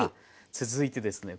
続いてですね